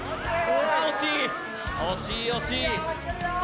惜しい、惜しい。